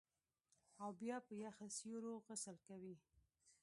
او بیا په یخو سیورو غسل کوي